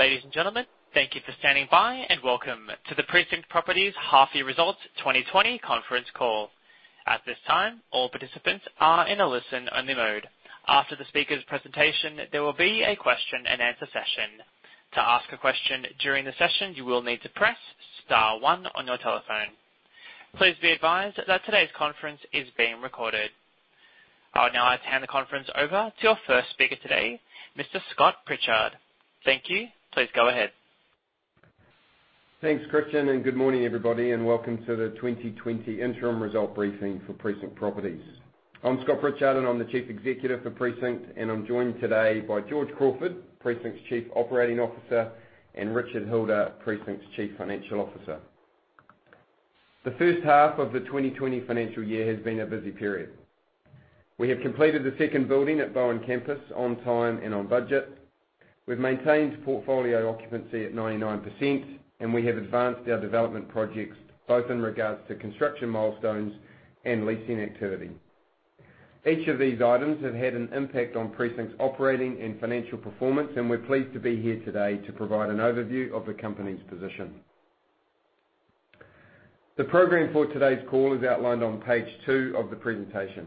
Ladies and gentlemen, thank you for standing by, and welcome to the Precinct Properties Half Year Results 2020 Conference Call. At this time, all participants are in a listen-only mode. After the speakers' presentation, there will be a question and answer session. To ask a question during the session, you will need to press star one on your telephone. Please be advised that today's conference is being recorded. I would now like to hand the conference over to our first speaker today, Mr. Scott Pritchard. Thank you. Please go ahead. Thanks, Christian, and good morning, everybody, and welcome to the 2020 interim result briefing for Precinct Properties. I'm Scott Pritchard, and I'm the Chief Executive for Precinct, and I'm joined today by George Crawford, Precinct's Chief Operating Officer, and Richard Hilder, Precinct's Chief Financial Officer. The first half of the 2020 financial year has been a busy period. We have completed the second building at Bowen Campus on time and on budget. We've maintained portfolio occupancy at 99%, and we have advanced our development projects, both in regards to construction milestones and leasing activity. Each of these items have had an impact on Precinct's operating and financial performance, and we're pleased to be here today to provide an overview of the company's position. The program for today's call is outlined on page two of the presentation.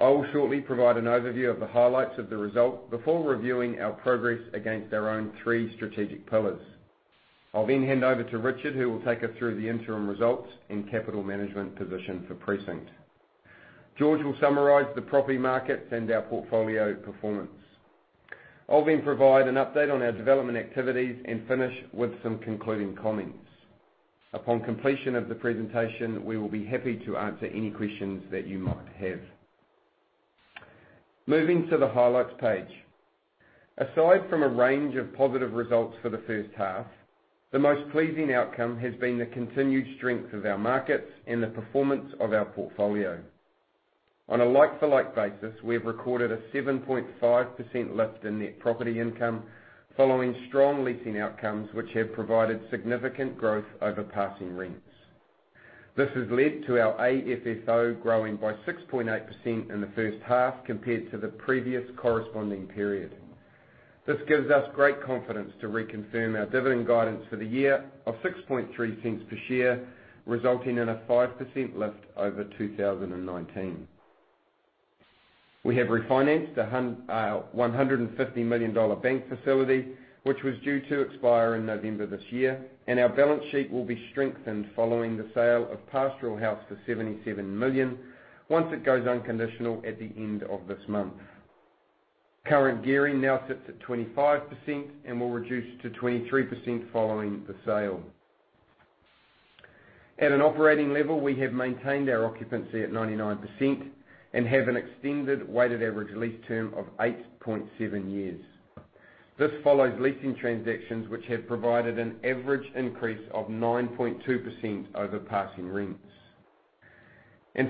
I will shortly provide an overview of the highlights of the result before reviewing our progress against our own three strategic pillars. I'll then hand over to Richard, who will take us through the interim results and capital management position for Precinct. George will summarize the property markets and our portfolio performance. I'll then provide an update on our development activities and finish with some concluding comments. Upon completion of the presentation, we will be happy to answer any questions that you might have. Moving to the highlights page. Aside from a range of positive results for the first half, the most pleasing outcome has been the continued strength of our markets and the performance of our portfolio. On a like-for-like basis, we have recorded a 7.5% lift in net property income following strong leasing outcomes which have provided significant growth over passing rents. This has led to our AFFO growing by 6.8% in the first half compared to the previous corresponding period. This gives us great confidence to reconfirm our dividend guidance for the year of 0.063 per share, resulting in a 5% lift over 2019. We have refinanced our 150 million dollar bank facility, which was due to expire in November this year. Our balance sheet will be strengthened following the sale of Pastoral House for NZD 77 million, once it goes unconditional at the end of this month. Current gearing now sits at 25% and will reduce to 23% following the sale. At an operating level, we have maintained our occupancy at 99% and have an extended weighted average lease term of 8.7 years. This follows leasing transactions, which have provided an average increase of 9.2% over passing rents.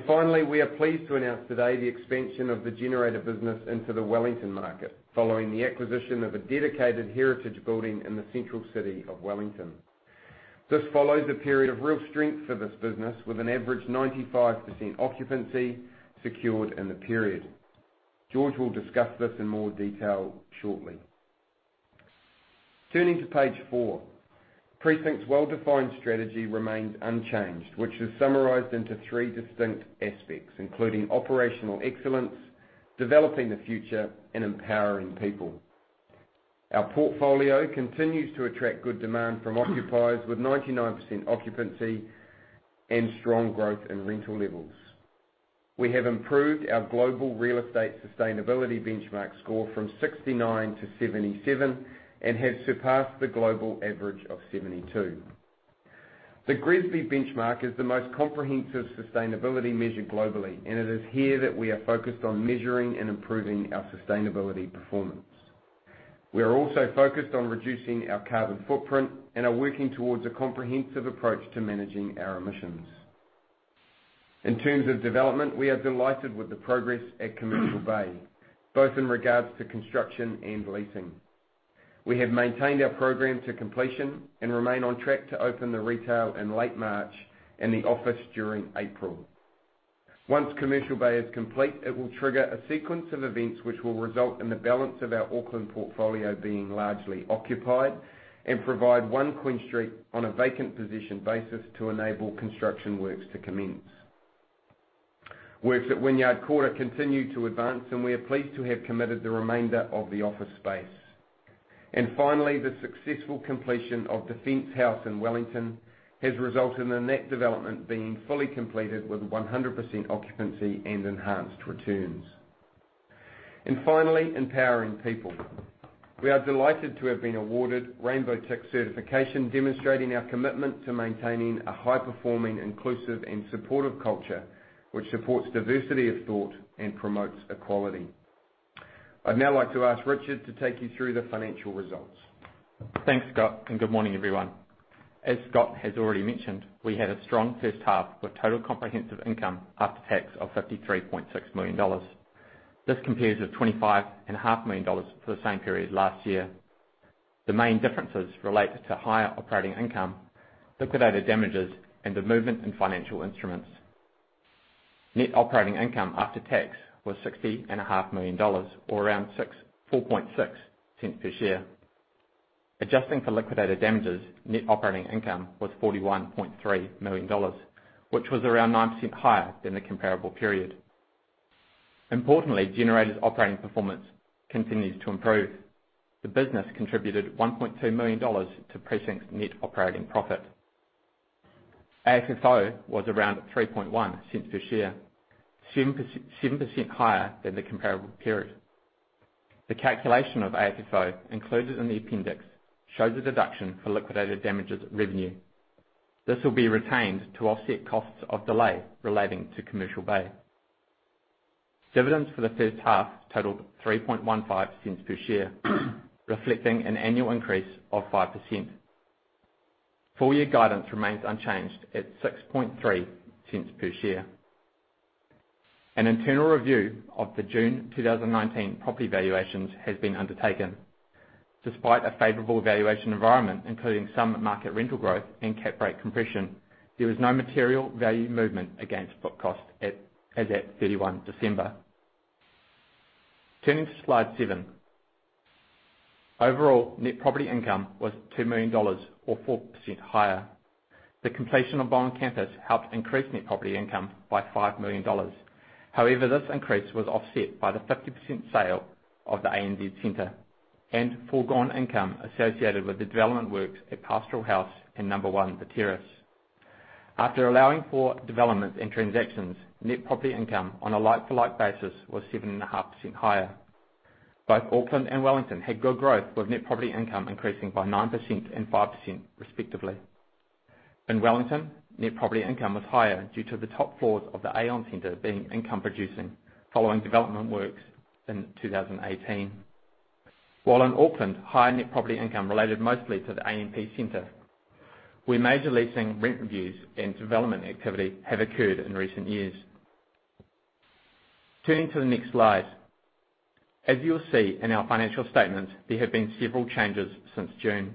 Finally, we are pleased to announce today the expansion of the Generator business into the Wellington market, following the acquisition of a dedicated heritage building in the central city of Wellington. This follows a period of real strength for this business, with an average 95% occupancy secured in the period. George will discuss this in more detail shortly. Turning to page four. Precinct's well-defined strategy remains unchanged, which is summarized into three distinct aspects, including operational excellence, developing the future, and empowering people. Our portfolio continues to attract good demand from occupiers with 99% occupancy and strong growth in rental levels. We have improved our global real estate sustainability benchmark score from 69 to 77 and have surpassed the global average of 72. The GRESB benchmark is the most comprehensive sustainability measure globally, and it is here that we are focused on measuring and improving our sustainability performance. We are also focused on reducing our carbon footprint and are working towards a comprehensive approach to managing our emissions. In terms of development, we are delighted with the progress at Commercial Bay, both in regards to construction and leasing. We have maintained our program to completion and remain on track to open the retail in late March and the office during April. Once Commercial Bay is complete, it will trigger a sequence of events which will result in the balance of our Auckland portfolio being largely occupied and provide one Queen Street on a vacant possession basis to enable construction works to commence. Works at Wynyard Quarter continue to advance, and we are pleased to have committed the remainder of the office space. Finally, the successful completion of Defence House in Wellington has resulted in the net development being fully completed with 100% occupancy and enhanced returns. Finally, empowering people. We are delighted to have been awarded Rainbow Tick certification, demonstrating our commitment to maintaining a high-performing, inclusive, and supportive culture, which supports diversity of thought and promotes equality. I'd now like to ask Richard to take you through the financial results. Thanks, Scott. Good morning, everyone. As Scott has already mentioned, we had a strong first half with total comprehensive income after tax of 53.6 million dollars. This compares with 25.5 million dollars for the same period last year. The main differences relate to higher operating income, liquidated damages, and the movement in financial instruments. Net operating income after tax was 60.5 million dollars, or around 0.046 per share. Adjusting for liquidated damages, net operating income was 41.3 million dollars, which was around 9% higher than the comparable period. Importantly, Generator's operating performance continues to improve. The business contributed 1.2 million dollars to Precinct's net operating profit. AFFO was around 0.031 per share, 7% higher than the comparable period. The calculation of AFFO included in the appendix shows a deduction for liquidated damages revenue. This will be retained to offset costs of delay relating to Commercial Bay. Dividends for the first half totaled 0.0315 per share, reflecting an annual increase of 5%. Full year guidance remains unchanged at 0.063 per share. An internal review of the June 2019 property valuations has been undertaken. Despite a favorable valuation environment, including some market rental growth and cap rate compression, there was no material value movement against book cost as at 31 December. Turning to Slide seven. Overall, net property income was 2 million dollars, or 4% higher. The completion of Bowen Campus helped increase net property income by 5 million dollars. However, this increase was offset by the 50% sale of the ANZ Centre and foregone income associated with the development works at Pastoral House and number 1 The Terrace. After allowing for developments and transactions, net property income on a like-for-like basis was 7.5% higher. Both Auckland and Wellington had good growth, with net property income increasing by 9% and 5%, respectively. In Wellington, net property income was higher due to the top floors of the Aon Centre being income producing following development works in 2018. In Auckland, high net property income related mostly to the AMP Centre, where major leasing rent reviews and development activity have occurred in recent years. Turning to the next slide. As you will see in our financial statements, there have been several changes since June.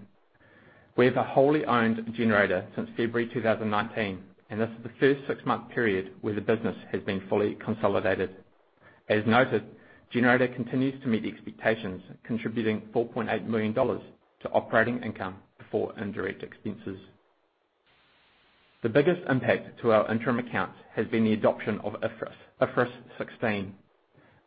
We have a wholly owned Generator since February 2019, and this is the first six-month period where the business has been fully consolidated. As noted, Generator continues to meet expectations, contributing 4.8 million dollars to operating income before indirect expenses. The biggest impact to our interim accounts has been the adoption of IFRS 16.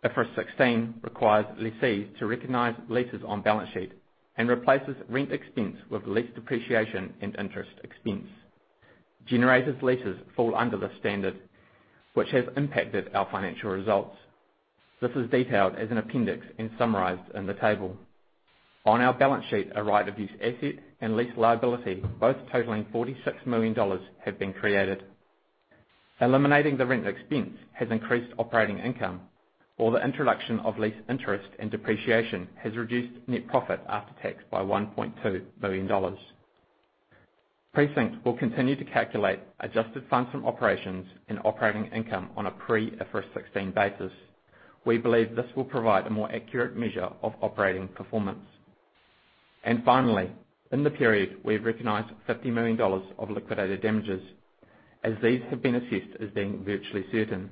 IFRS 16 requires lessees to recognize leases on balance sheet and replaces rent expense with lease depreciation and interest expense. Generator's leases fall under the standard, which has impacted our financial results. This is detailed as an appendix and summarized in the table. On our balance sheet, a right of use asset and lease liability, both totaling 46 million dollars, have been created. Eliminating the rent expense has increased operating income, while the introduction of lease interest and depreciation has reduced net profit after tax by 1.2 million dollars. Precinct will continue to calculate adjusted funds from operations and operating income on a pre-IFRS 16 basis. We believe this will provide a more accurate measure of operating performance. Finally, in the period, we have recognized NZD 50 million of liquidated damages, as these have been assessed as being virtually certain.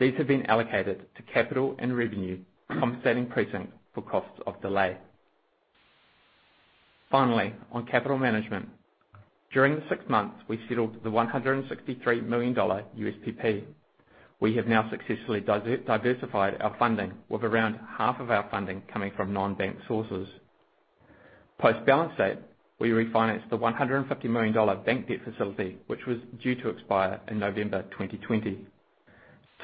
These have been allocated to capital and revenue, compensating Precinct for costs of delay. Finally, on capital management. During the six months, we settled the 163 million dollar USPP. We have now successfully diversified our funding, with around half of our funding coming from non-bank sources. Post-balance date, we refinanced the 150 million dollar bank debt facility, which was due to expire in November 2020.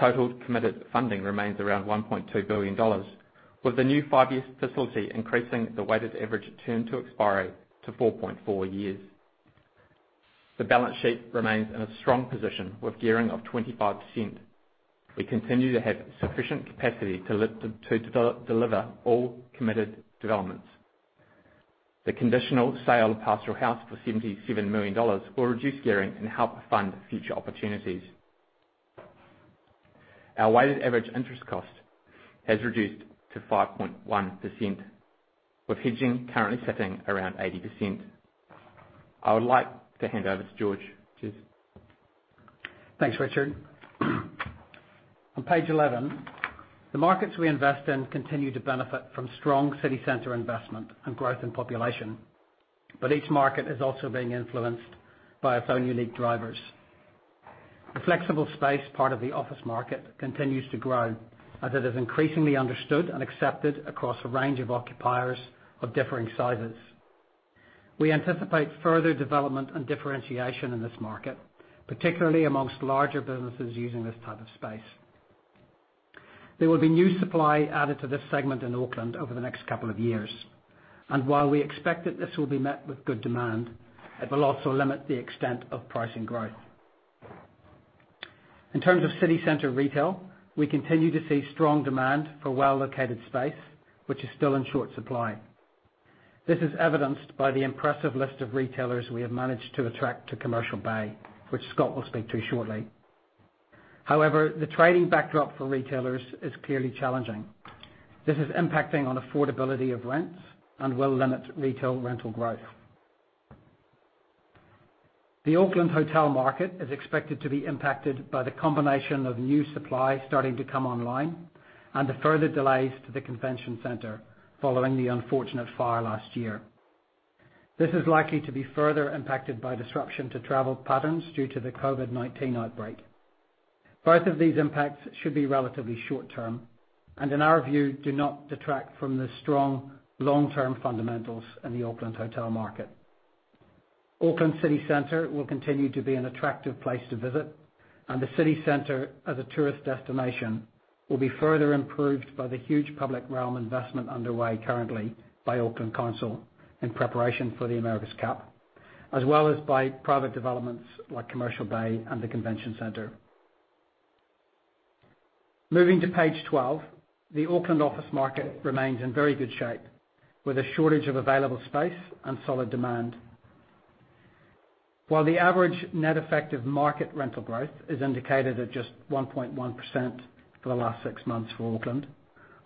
Total committed funding remains around 1.2 billion dollars, with the new five-year facility increasing the weighted average term to expiry to 4.4 years. The balance sheet remains in a strong position with gearing of 25%. We continue to have sufficient capacity to deliver all committed developments. The conditional sale of Pastoral House for NZD 77 million will reduce gearing and help fund future opportunities. Our weighted average interest cost has reduced to 5.1%, with hedging currently sitting around 80%. I would like to hand over to George. Cheers. Thanks, Richard. On page 11, the markets we invest in continue to benefit from strong city center investment and growth in population, but each market is also being influenced by its own unique drivers. The flexible space part of the office market continues to grow as it is increasingly understood and accepted across a range of occupiers of differing sizes. We anticipate further development and differentiation in this market, particularly amongst larger businesses using this type of space. There will be new supply added to this segment in Auckland over the next couple of years, and while we expect that this will be met with good demand, it will also limit the extent of pricing growth. In terms of city center retail, we continue to see strong demand for well-located space, which is still in short supply. This is evidenced by the impressive list of retailers we have managed to attract to Commercial Bay, which Scott will speak to shortly. The trading backdrop for retailers is clearly challenging. This is impacting on affordability of rents and will limit retail rental growth. The Auckland hotel market is expected to be impacted by the combination of new supply starting to come online and the further delays to the convention center following the unfortunate fire last year. This is likely to be further impacted by disruption to travel patterns due to the COVID-19 outbreak. Both of these impacts should be relatively short-term and, in our view, do not detract from the strong long-term fundamentals in the Auckland hotel market. Auckland city center will continue to be an attractive place to visit, and the city center as a tourist destination will be further improved by the huge public realm investment underway currently by Auckland Council in preparation for the America's Cup, as well as by private developments like Commercial Bay and the Convention Centre. Moving to page 12, the Auckland office market remains in very good shape with a shortage of available space and solid demand. While the average net effective market rental growth is indicated at just 1.1% for the last six months for Auckland,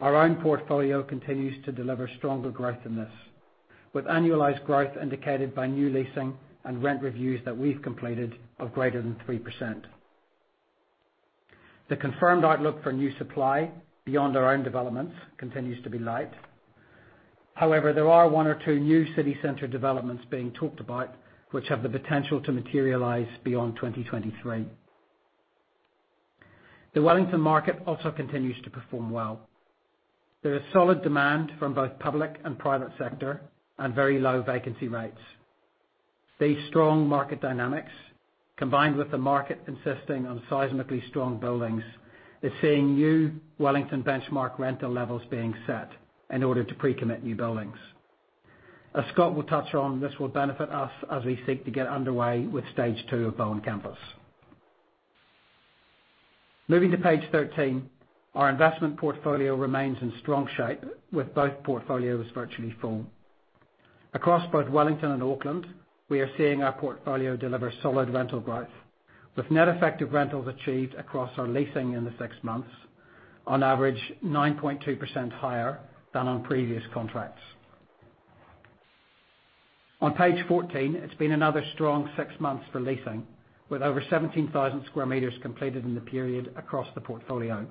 our own portfolio continues to deliver stronger growth than this, with annualized growth indicated by new leasing and rent reviews that we've completed of greater than 3%. The confirmed outlook for new supply beyond our own developments continues to be light. However, there are one or two new city center developments being talked about which have the potential to materialize beyond 2023. The Wellington market also continues to perform well. There is solid demand from both public and private sector and very low vacancy rates. These strong market dynamics, combined with the market insisting on seismically strong buildings, is seeing new Wellington benchmark rental levels being set in order to pre-commit new buildings. As Scott will touch on, this will benefit us as we seek to get underway with Stage 2 of Bowen Campus. Moving to page 13, our investment portfolio remains in strong shape with both portfolios virtually full. Across both Wellington and Auckland, we are seeing our portfolio deliver solid rental growth, with net effective rentals achieved across our leasing in the six months, on average 9.2% higher than on previous contracts. On page 14, it's been another strong six months for leasing, with over 17,000 sq m completed in the period across the portfolio.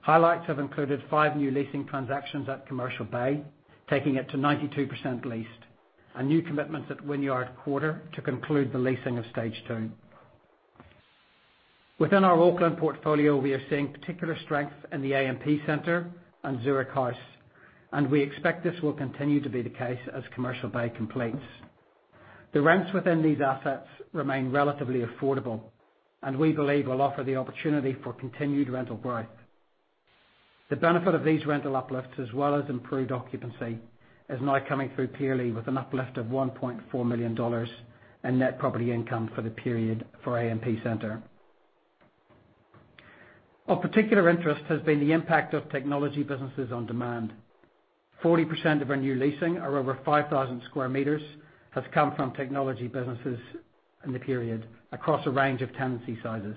Highlights have included five new leasing transactions at Commercial Bay, taking it to 92% leased, and new commitments at Wynyard Quarter to conclude the leasing of Stage 2. Within our Auckland portfolio, we are seeing particular strength in the AMP Centre and Zurich House. We expect this will continue to be the case as Commercial Bay completes. The rents within these assets remain relatively affordable and we believe will offer the opportunity for continued rental growth. The benefit of these rental uplifts as well as improved occupancy is now coming through purely with an uplift of 1.4 million dollars in net property income for the period for AMP Centre. Of particular interest has been the impact of technology businesses on demand. 40% of our new leasing or over 5,000 sq m has come from technology businesses in the period across a range of tenancy sizes.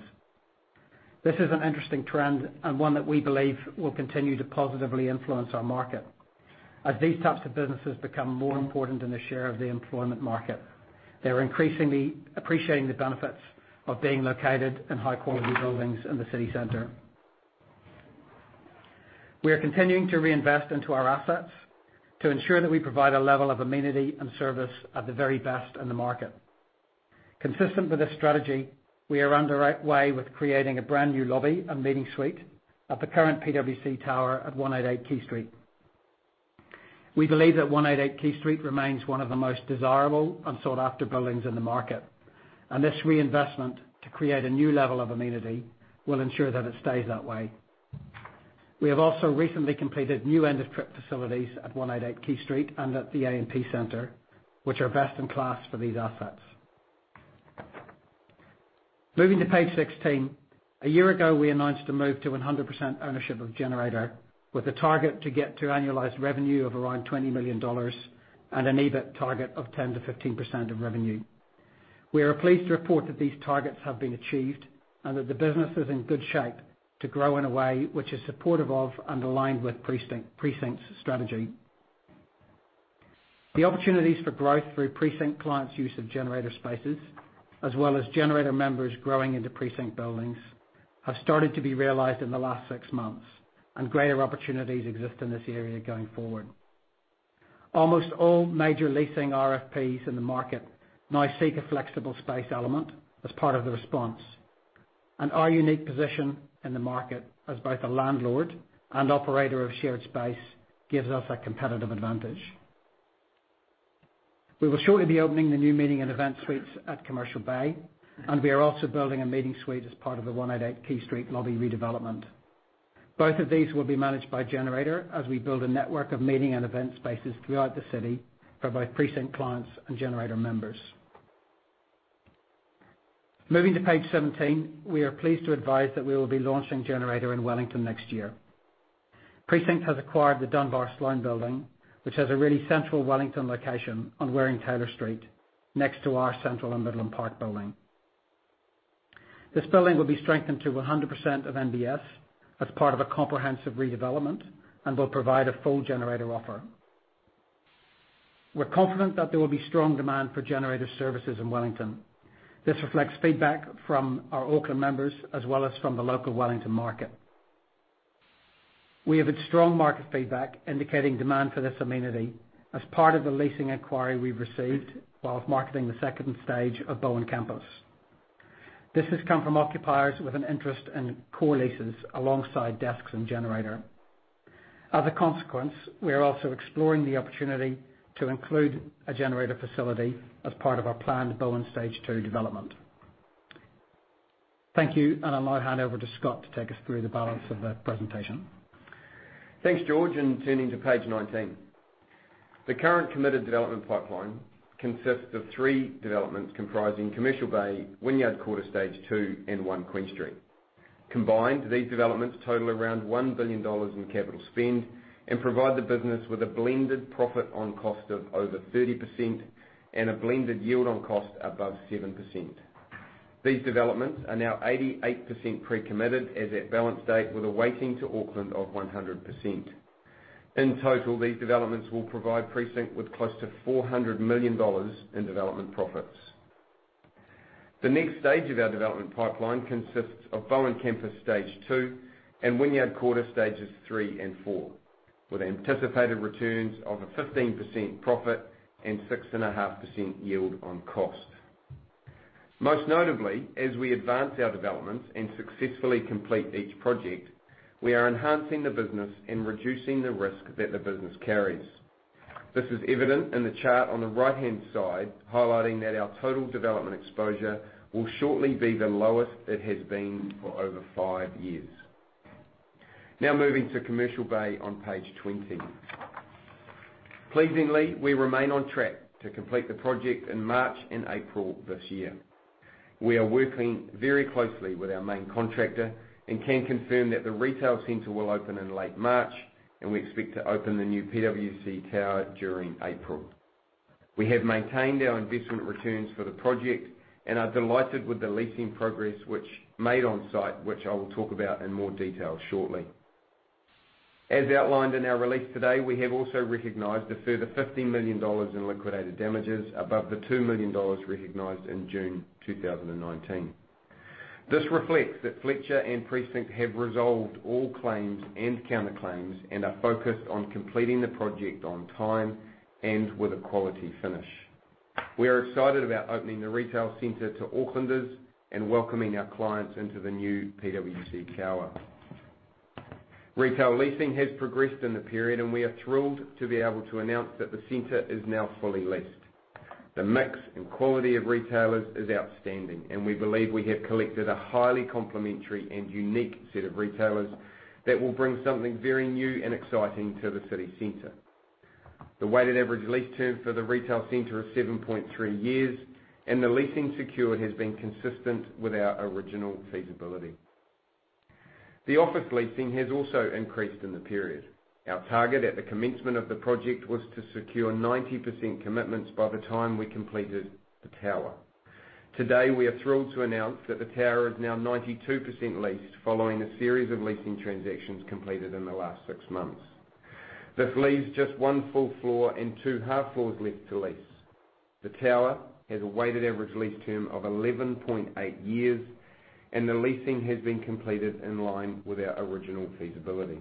This is an interesting trend and one that we believe will continue to positively influence our market. As these types of businesses become more important in the share of the employment market, they're increasingly appreciating the benefits of being located in high-quality buildings in the city center. We are continuing to reinvest into our assets to ensure that we provide a level of amenity and service at the very best in the market. Consistent with this strategy, we are underway with creating a brand-new lobby and meeting suite at the current PwC Tower at 188 Quay Street. We believe that 188 Quay Street remains one of the most desirable and sought-after buildings in the market, and this reinvestment to create a new level of amenity will ensure that it stays that way. We have also recently completed new end-of-trip facilities at 188 Quay Street and at the AMP Centre, which are best in class for these assets. Moving to page 16. A year ago, we announced a move to 100% ownership of Generator, with a target to get to annualized revenue of around 20 million dollars and an EBIT target of 10%-15% of revenue. We are pleased to report that these targets have been achieved and that the business is in good shape to grow in a way which is supportive of and aligned with Precinct's strategy. The opportunities for growth through Precinct clients' use of Generator spaces, as well as Generator members growing into Precinct buildings, have started to be realized in the last six months. Greater opportunities exist in this area going forward. Almost all major leasing RFPs in the market now seek a flexible space element as part of the response. Our unique position in the market as both a landlord and operator of shared space gives us a competitive advantage. We will shortly be opening the new meeting and event suites at Commercial Bay. We are also building a meeting suite as part of the 188 Quay Street lobby redevelopment. Both of these will be managed by Generator as we build a network of meeting and event spaces throughout the city for both Precinct clients and Generator members. Moving to page 17. We are pleased to advise that we will be launching Generator in Wellington next year. Precinct has acquired the Dunbar Sloane Building, which has a really central Wellington location on Waring Taylor Street next to our Central on Midland Park building. This building will be strengthened to 100% of NBS as part of a comprehensive redevelopment and will provide a full Generator offer. We're confident that there will be strong demand for Generator services in Wellington. This reflects feedback from our Auckland members as well as from the local Wellington market. We have had strong market feedback indicating demand for this amenity as part of the leasing inquiry we've received whilst marketing the second stage of Bowen Campus. This has come from occupiers with an interest in core leases alongside desks and Generator. As a consequence, we are also exploring the opportunity to include a Generator facility as part of our planned Bowen Stage 2 development. Thank you. I'll now hand over to Scott to take us through the balance of the presentation. Thanks, George, turning to page 19. The current committed development pipeline consists of three developments comprising Commercial Bay, Wynyard Quarter Stage 2, and One Queen Street. Combined, these developments total around 1 billion dollars in capital spend and provide the business with a blended profit on cost of over 30% and a blended yield on cost above 7%. These developments are now 88% pre-committed as at balance date, with a weighting to Auckland of 100%. In total, these developments will provide Precinct with close to 400 million dollars in development profits. The next stage of our development pipeline consists of Bowen Campus Stage 2 and Wynyard Quarter Stages 3 and 4, with anticipated returns of a 15% profit and 6.5% yield on cost. Most notably, as we advance our developments and successfully complete each project, we are enhancing the business and reducing the risk that the business carries. This is evident in the chart on the right-hand side, highlighting that our total development exposure will shortly be the lowest it has been for over five years. Now moving to Commercial Bay on page 20. Pleasingly, we remain on track to complete the project in March and April this year. We are working very closely with our main contractor and can confirm that the retail center will open in late March, and we expect to open the new PwC Tower during April. We have maintained our investment returns for the project and are delighted with the leasing progress made on-site, which I will talk about in more detail shortly. As outlined in our release today, we have also recognized a further 15 million dollars in liquidated damages above the 2 million dollars recognized in June 2019. This reflects that Fletcher and Precinct have resolved all claims and counterclaims and are focused on completing the project on time and with a quality finish. We are excited about opening the retail center to Aucklanders and welcoming our clients into the new PwC Tower. Retail leasing has progressed in the period, and we are thrilled to be able to announce that the center is now fully leased. The mix and quality of retailers is outstanding, and we believe we have collected a highly complementary and unique set of retailers that will bring something very new and exciting to the city center. The weighted average lease term for the retail center is 7.3 years, and the leasing secure has been consistent with our original feasibility. The office leasing has also increased in the period. Our target at the commencement of the project was to secure 90% commitments by the time we completed the tower. Today, we are thrilled to announce that the tower is now 92% leased following a series of leasing transactions completed in the last six months. This leaves just one full floor and two half floors left to lease. The tower has a weighted average lease term of 11.8 years, and the leasing has been completed in line with our original feasibility.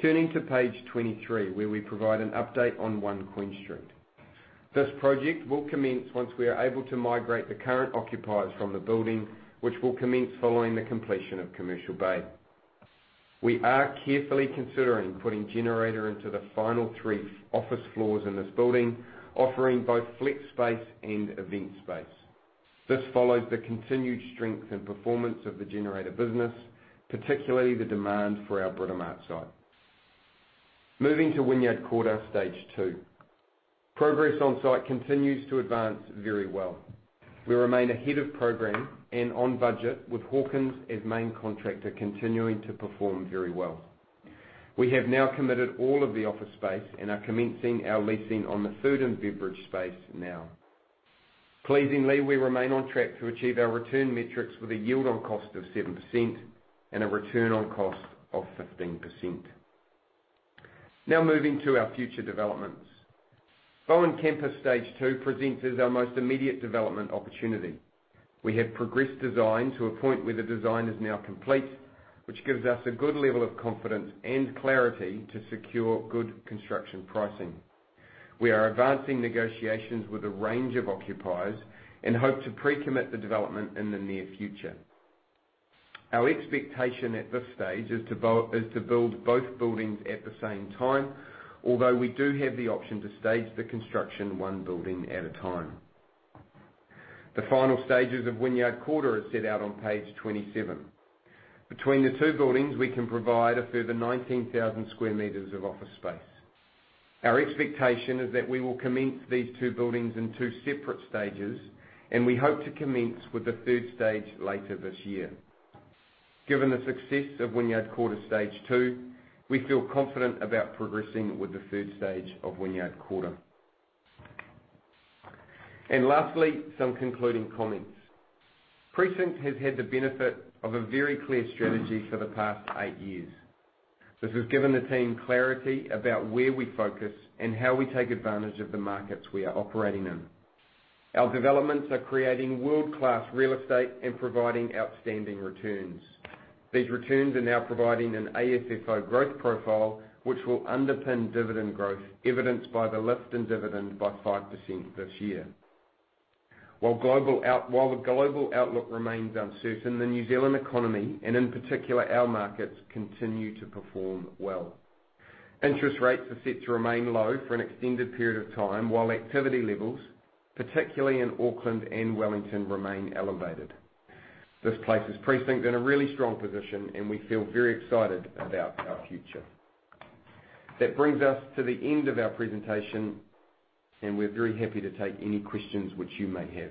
Turning to page 23, where we provide an update on One Queen Street. This project will commence once we are able to migrate the current occupiers from the building, which will commence following the completion of Commercial Bay. We are carefully considering putting Generator into the final three office floors in this building, offering both flex space and event space. This follows the continued strength and performance of the Generator business, particularly the demand for our Britomart site. Moving to Wynyard Quarter Stage 2. Progress on-site continues to advance very well. We remain ahead of program and on budget, with Hawkins as main contractor continuing to perform very well. We have now committed all of the office space and are commencing our leasing on the food and beverage space now. Pleasingly, we remain on track to achieve our return metrics with a yield on cost of 7% and a return on cost of 15%. Now moving to our future developments. Bowen Campus Stage 2 presents as our most immediate development opportunity. We have progressed design to a point where the design is now complete, which gives us a good level of confidence and clarity to secure good construction pricing. We are advancing negotiations with a range of occupiers and hope to pre-commit the development in the near future. Our expectation at this stage is to build both buildings at the same time, although we do have the option to stage the construction one building at a time. The final stages of Wynyard Quarter are set out on page 27. Between the two buildings, we can provide a further 19,000 sq m of office space. Our expectation is that we will commence these two buildings in 2 separate stages. We hope to commence with the third stage later this year. Given the success of Wynyard Quarter Stage 2, we feel confident about progressing with the first stage of Wynyard Quarter. Lastly, some concluding comments. Precinct has had the benefit of a very clear strategy for the past eight years. This has given the team clarity about where we focus and how we take advantage of the markets we are operating in. Our developments are creating world-class real estate and providing outstanding returns. These returns are now providing an AFFO growth profile, which will underpin dividend growth, evidenced by the lift in dividend by 5% this year. While the global outlook remains uncertain, the New Zealand economy, and in particular our markets, continue to perform well. Interest rates are set to remain low for an extended period of time, while activity levels, particularly in Auckland and Wellington, remain elevated. This places Precinct in a really strong position, and we feel very excited about our future. That brings us to the end of our presentation, and we're very happy to take any questions which you may have.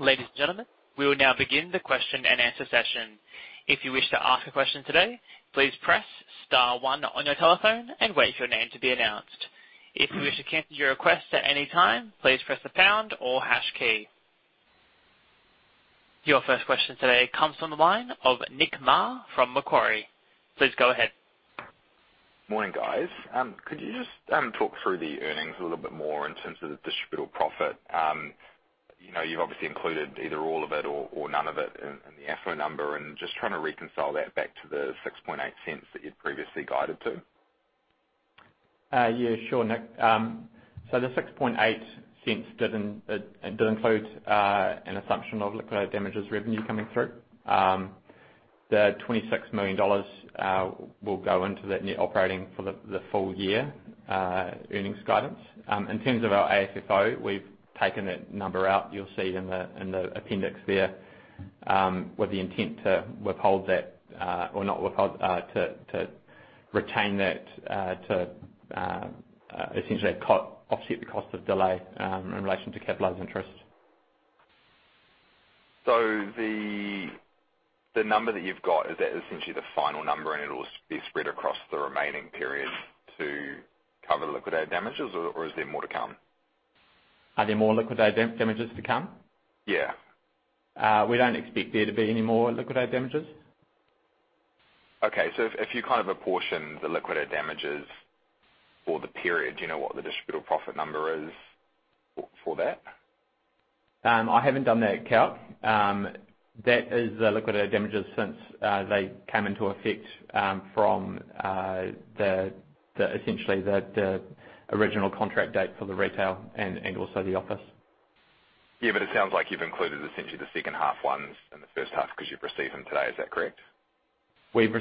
Ladies and gentlemen, we will now begin the question and answer session. If you wish to ask a question today, please press star one on your telephone and wait for your name to be announced. If you wish to cancel your request at any time, please press the pound or hash key. Your first question today comes from the line of Nick Mar from Macquarie. Please go ahead. Morning, guys. Could you just talk through the earnings a little bit more in terms of the distributable profit? You've obviously included either all of it or none of it in the AFFO number and just trying to reconcile that back to the 0.068 that you'd previously guided to? Sure, Nick. The 0.068 don't include an assumption of liquidated damages revenue coming through. The 26 million dollars will go into that net operating for the full year earnings guidance. In terms of our AFFO, we've taken that number out, you'll see in the appendix there, with the intent to retain that to essentially offset the cost of delay in relation to capitalized interest. The number that you've got, is that essentially the final number and it'll be spread across the remaining period to cover liquidated damages? Or is there more to come? Are there more liquidated damages to come? Yeah. We don't expect there to be any more liquidated damages. Okay. If you apportion the liquidated damages for the period, do you know what the distributable profit number is for that? I haven't done that calc. That is the liquidated damages since they came into effect from essentially the original contract date for the retail and also the office. Yeah, it sounds like you've included essentially the second half ones and the first half because you've received them today. Is that correct? We've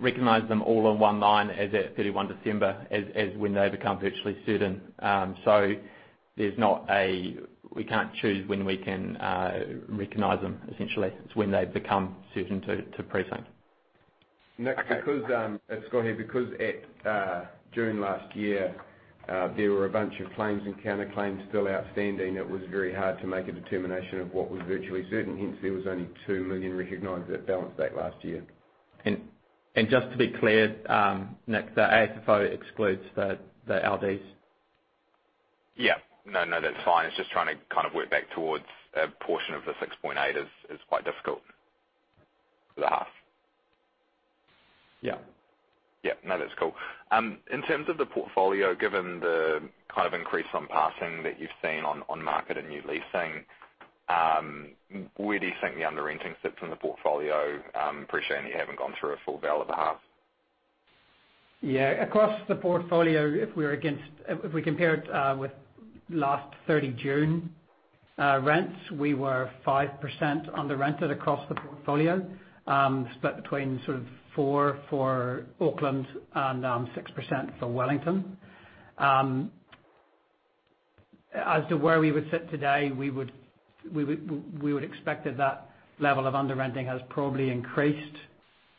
recognized them all on one line as at 31 December, as when they become virtually certain. We can't choose when we can recognize them, essentially. It's when they become certain to Precinct. Nick, because at June last year, there were a bunch of claims and counterclaims still outstanding, it was very hard to make a determination of what was virtually certain, hence there was only 2 million recognized at balance date last year. Just to be clear, Nick, the AFFO excludes the LDs. Yeah. No, that's fine. It's just trying to work back towards a portion of the 6.8 is quite difficult for the half. Yeah. Yeah. No, that's cool. In terms of the portfolio, given the increase on passing that you've seen on market and new leasing, where do you think the under-renting sits in the portfolio, appreciating you haven't gone through a full valuation of the half? Yeah. Across the portfolio, if we compared with last 30 June rents, we were 5% under rented across the portfolio, split between four for Auckland and 6% for Wellington. As to where we would sit today, we would expect that that level of under-renting has probably increased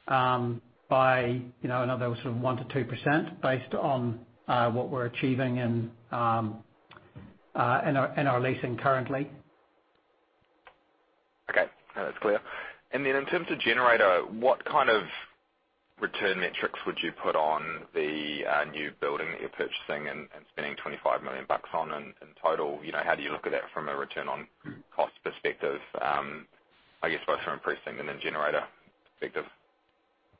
by another 1%-2% based on what we're achieving in our leasing currently. Okay. No, that's clear. Then in terms of Generator, what kind of return metrics would you put on the new building that you're purchasing and spending 25 million bucks on in total? How do you look at that from a return on cost perspective, I guess both from a Precinct and then Generator perspective?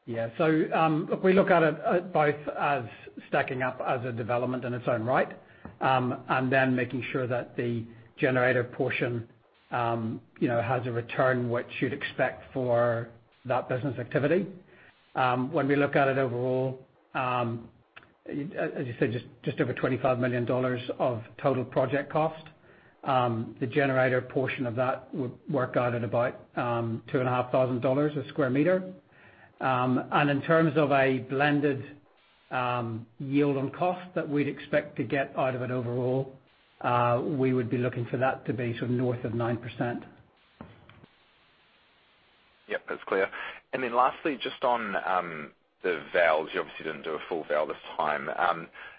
Yeah. We look at it both as stacking up as a development in its own right, and then making sure that the Generator portion has a return which you'd expect for that business activity. When we look at it overall, as you said, just over 25 million dollars of total project cost. The Generator portion of that would work out at about 2,500 a sq m. In terms of a blended yield on cost that we'd expect to get out of it overall, we would be looking for that to be north of 9%. Yep, that's clear. Lastly, just on the vals. You obviously didn't do a full val this time.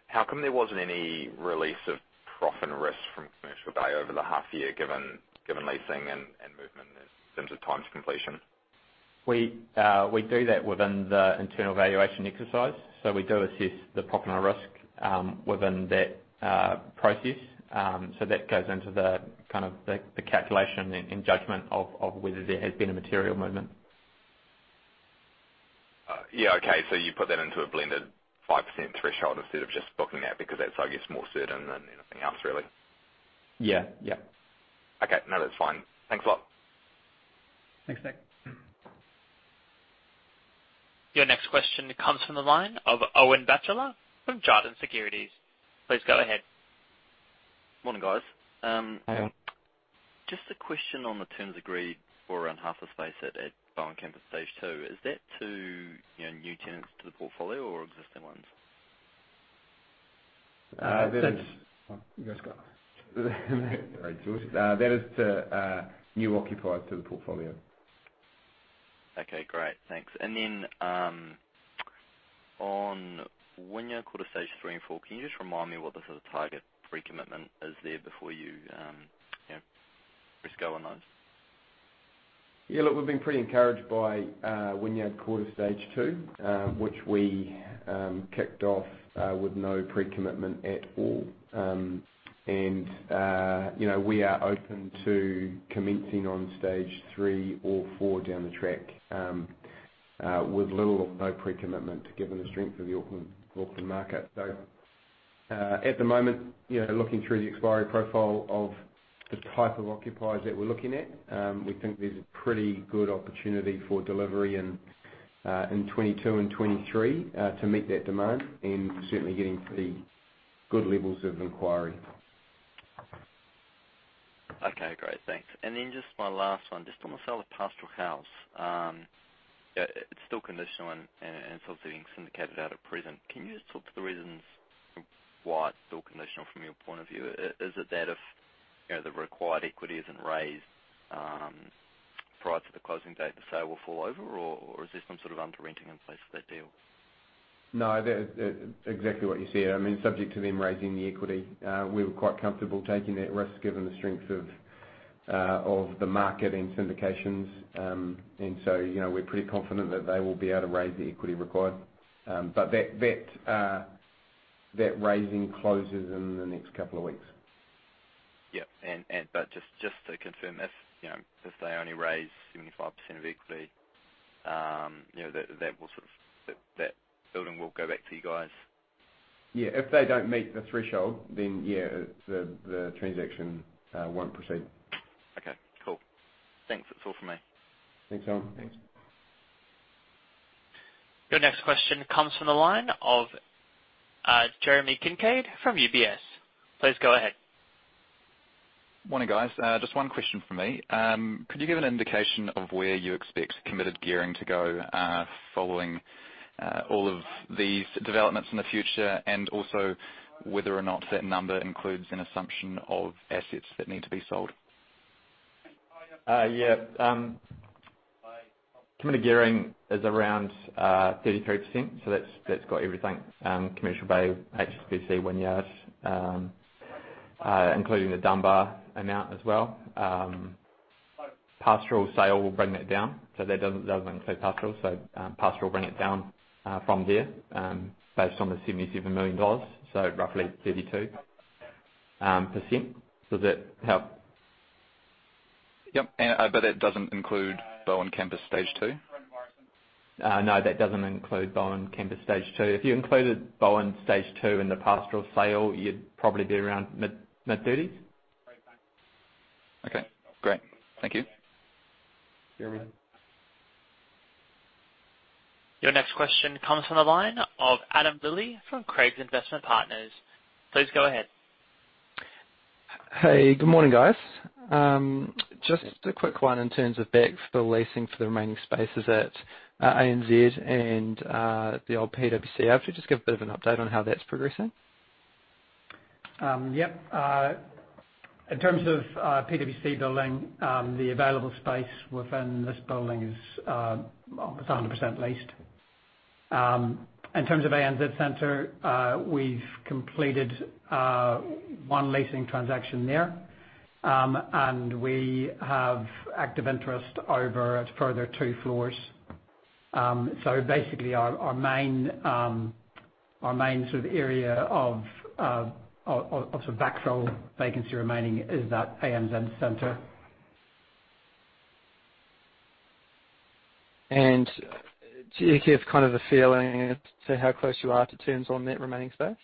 How come there wasn't any release of profit and risk from Commercial Bay over the half year, given leasing and movement in terms of times completion? We do that within the internal valuation exercise. We do assess the profit and risk within that process. That goes into the calculation and judgment of whether there has been a material movement. Yeah, okay. You put that into a blended 5% threshold instead of just booking that, because that's, I guess, more certain than anything else, really. Yeah. Okay. No, that's fine. Thanks a lot. Thanks, Nick. Your next question comes from the line of Owen Batchelor from Jarden Securities. Please go ahead. Morning, guys. Hello. Just a question on the terms agreed for around half the space at Bowen Campus Stage 2. Is that to new tenants to the portfolio or existing ones? All right, George- that is to new occupiers to the portfolio. Okay, great. Thanks. On Wynyard Quarter Stage 3 and 4, can you just remind me what the sort of target pre-commitment is there before you risk on those? Look, we've been pretty encouraged by Wynyard Quarter Stage 2, which we kicked off with no pre-commitment at all. We are open to commencing on Stage 3 or 4 down the track, with little or no pre-commitment, given the strength of the Auckland market. At the moment, looking through the expiry profile of the type of occupiers that we're looking at, we think there's a pretty good opportunity for delivery in 2022 and 2023 to meet that demand, and certainly getting pretty good levels of inquiry. Okay, great. Thanks. Just my last one, just on the sale of Pastoral House. It's still conditional and still being syndicated out at present. Can you just talk to the reasons why it's still conditional from your point of view? Is it that if the required equity isn't raised prior to the closing date, the sale will fall over, or is there some sort of underwriting in place for that deal? No. Exactly what you said. Subject to them raising the equity. We were quite comfortable taking that risk given the strength of the market and syndications. We're pretty confident that they will be able to raise the equity required. That raising closes in the next couple of weeks. Yep. Just to confirm, if they only raise 75% of equity, that building will go back to you guys? Yeah. If they don't meet the threshold, then yeah, the transaction won't proceed. Okay, cool. Thanks. That's all from me. Thanks, Owen. Thanks. Your next question comes from the line of Jeremy Kincaid from UBS. Please go ahead. Morning, guys. Just one question from me. Could you give an indication of where you expect committed gearing to go following all of these developments in the future, and also whether or not that number includes an assumption of assets that need to be sold? Yeah. Committed gearing is around 33%, so that's got everything- Commercial Bay, HSBC, Wynyard, including the Dunbar amount as well. Pastoral sale will bring that down, so that doesn't include Pastoral. Pastoral will bring it down from there, based on the 77 million dollars, so roughly 32%. So that helped. Yep. I bet it doesn't include Bowen Campus Stage 2? No, that doesn't include Bowen Campus Stage 2- if you included Bowen Stage 2 in the Pastoral sale, you'd probably be around mid-30s. Okay, great. Thank you, Jeremy. Your next question comes from the line of Adam Lilley from Craigs Investment Partners. Please go ahead. Hey, good morning, guys. Just a quick one in terms of backfill leasing for the remaining spaces at ANZ and the old PwC. If you could just give a bit of an update on how that's progressing? In terms of PwC Building, the available space within this building is almost 100% leased. In terms of ANZ Centre, we've completed one leasing transaction there. We have active interest over a further two floors. Basically, our main area of backfill vacancy remaining is that ANZ Centre. Do you give kind of a feeling as to how close you are to terms on that remaining space?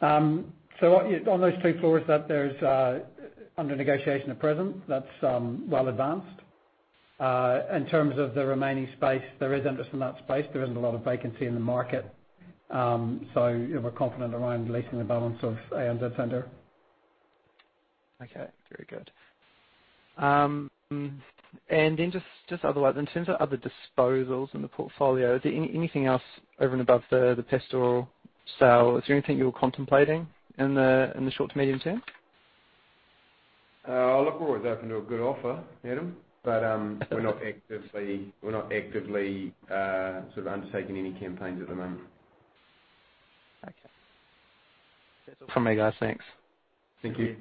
On those two floors, that there's under negotiation at present. That's well advanced. In terms of the remaining space, there is interest in that space. There isn't a lot of vacancy in the market. We're confident around leasing the balance of ANZ Centre. Okay, very good. Just otherwise, in terms of other disposals in the portfolio, is there anything else over and above the Pastoral sale, is there anything you're contemplating in the short to medium term? Look, we're always open to a good offer, Adam, but we're not actively undertaking any campaigns at the moment. Okay. That's all from me, guys. Thanks. Thank you.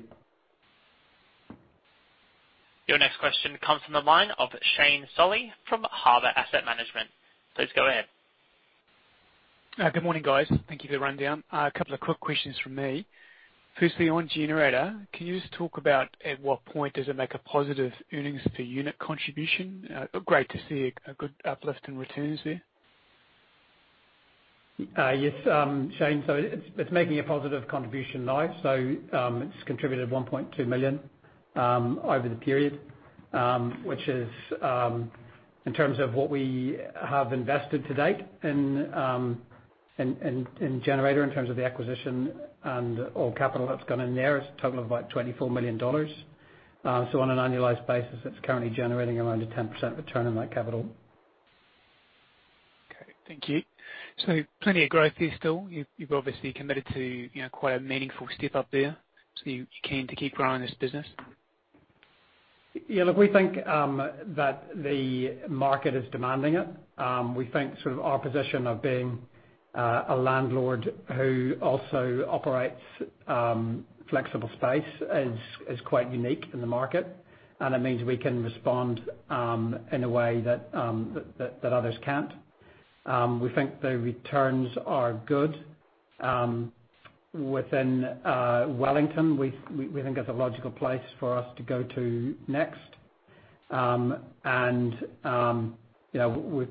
Your next question comes from the line of Shane Solly from Harbour Asset Management. Please go ahead. Good morning, guys. Thank you for the rundown. A couple of quick questions from me. Firstly, on Generator, can you just talk about at what point does it make a positive earnings per unit contribution? Great to see a good uplift in returns there. Yes, Shane. It's making a positive contribution now. It's contributed 1.2 million over the period. Which is, in terms of what we have invested to date in Generator, in terms of the acquisition and all capital that's gone in there, it's a total of about 24 million dollars. On an annualized basis, it's currently generating around a 10% return on that capital. Okay, thank you. Plenty of growth here still. You've obviously committed to quite a meaningful step up there. You're keen to keep growing this business? Yeah, look, we think that the market is demanding it. We think our position of being a landlord who also operates flexible space is quite unique in the market, and it means we can respond in a way that others can't. We think the returns are good. Within Wellington, we think that's a logical place for us to go to next.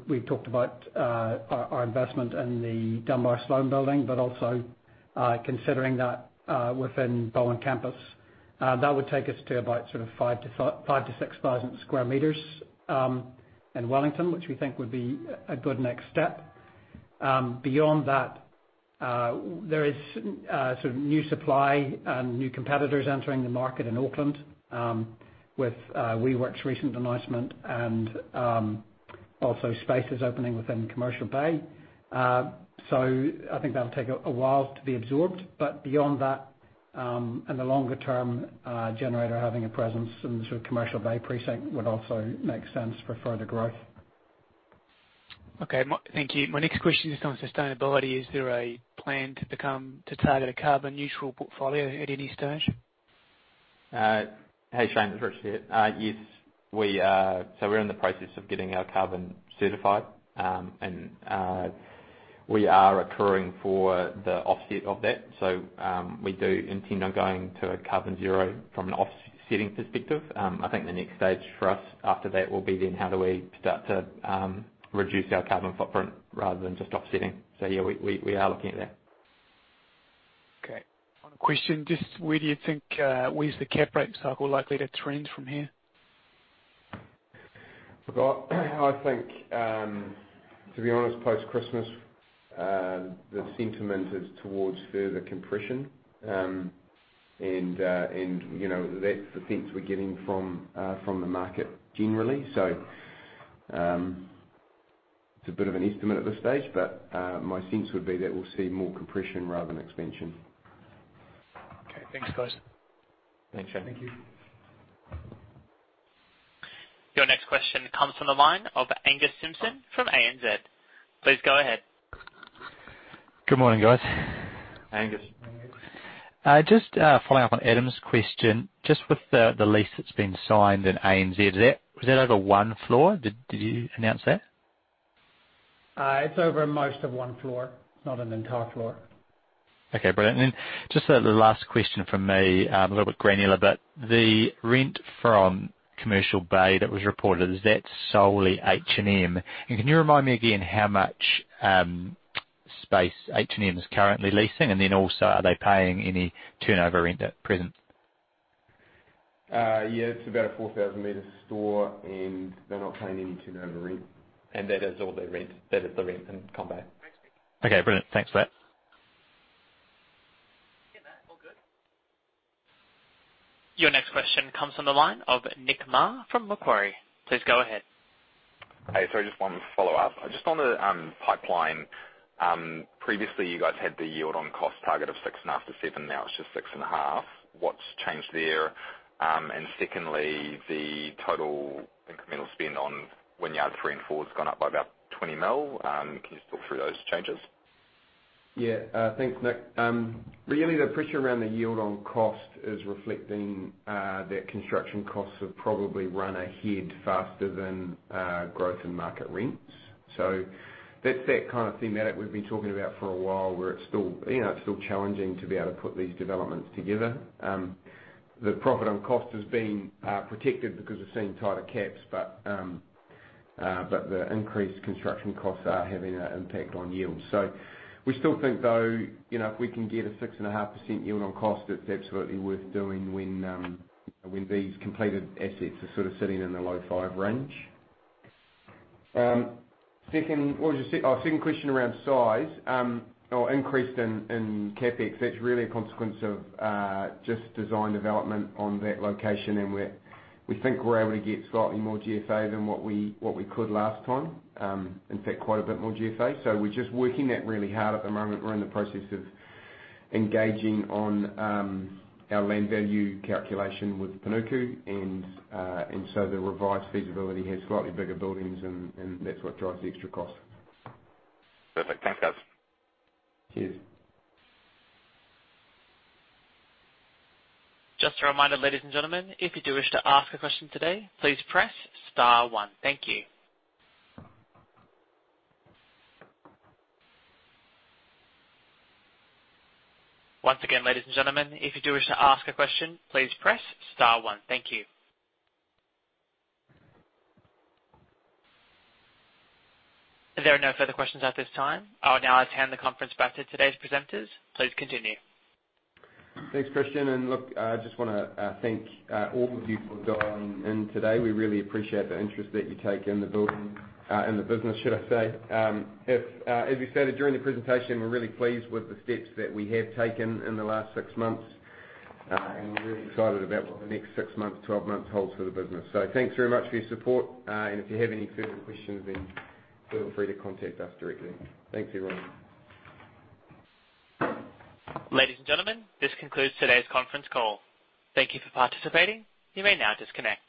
We've talked about our investment in the Dunbar Sloane building, but also considering that within Bowen Campus, that would take us to about 5,000 to 6,000 sq m in Wellington, which we think would be a good next step. Beyond that, there is new supply and new competitors entering the market in Auckland, with WeWork's recent announcement and also spaces opening within Commercial Bay. I think that'll take a while to be absorbed. Beyond that, in the longer term, Generator having a presence in the Commercial Bay precinct would also make sense for further growth. Okay. Thank you. My next question is on sustainability. Is there a plan to target a carbon neutral portfolio at any stage? Hey, Shane, it's Rich here. Yes. We're in the process of getting our carbon certified, and we are accruing for the offset of that. We do intend on going to a carbon zero from an offsetting perspective. I think the next stage for us after that will be then how do we start to reduce our carbon footprint rather than just offsetting. Yeah, we are looking at that. Okay. One question, just where do you think- where's the cap rate cycle likely to trend from here? Look, I think, to be honest, post-Christmas, the sentiment is towards further compression. That's the sense we're getting from the market generally. It's a bit of an estimate at this stage, but my sense would be that we'll see more compression rather than expansion. Okay. Thanks, guys. Thanks, Shane. Thank you. Your next question comes from the line of Angus Simpson from ANZ. Please go ahead. Good morning, guys. Angus. Just following up on Adam's question, just with the lease that's been signed in ANZ, was that over one floor? Did you announce that? It's over most of one floor, not an entire floor. Okay, brilliant. Just the last question from me, a little bit granular, but the rent from Commercial Bay that was reported, is that solely H&M? Can you remind me again how much space H&M is currently leasing? Are they paying any turnover rent at present? It's about a 4,000 m store, and they're not paying any turnover rent. That is all the rent. That is the rent in [Com Bay]. Okay, brilliant. Thanks for that. Your next question comes from the line of Nick Mar from Macquarie. Please go ahead. Hey, sorry, I just wanted to follow up. Just on the pipeline. Previously, you guys had the yield on cost target of 6.5%-7%. Now it's just 6.5%. What's changed there? Secondly, the total incremental spend on Wynyard 3 and 4 has gone up by about 20 million. Can you just talk through those changes? Yeah. Thanks, Nick. Really, the pressure around the yield on cost is reflecting that construction costs have probably run ahead faster than growth in market rents. That's that kind of thematic we've been talking about for a while, where it's still challenging to be able to put these developments together. The profit on cost has been protected because we're seeing tighter caps, but the increased construction costs are having an impact on yields. We still think, though, if we can get a six and a half percent yield on cost, it's absolutely worth doing when these completed assets are sitting in the low five range. Second question around size, or increase in CapEx. That's really a consequence of just design development on that location, and we think we're able to get slightly more GFA than what we could last time. In fact, quite a bit more GFA. We're just working that really hard at the moment. We're in the process of engaging on our land value calculation with Panuku, the revised feasibility has slightly bigger buildings, and that's what drives the extra cost. Perfect. Thanks, guys. Cheers. Just a reminder, ladies and gentlemen, if you do wish to ask a question today, please press star one. Thank you. Once again, ladies and gentlemen, if you do wish to ask a question, please press star one. Thank you. There are no further questions at this time. I will now hand the conference back to today's presenters. Please continue. Thanks, Christian. Look, I just want to thank all of you for dialing in today. We really appreciate the interest that you take in the business, should I say. As we stated during the presentation, we're really pleased with the steps that we have taken in the last six months, we're really excited about what the next six months, 12 months holds for the business. Thanks very much for your support, if you have any further questions, feel free to contact us directly. Thanks, everyone. Ladies and gentlemen, this concludes today's conference call. Thank you for participating. You may now disconnect.